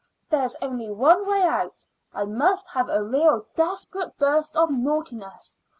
"There's only one way out. I must have a real desperate burst of naughtiness.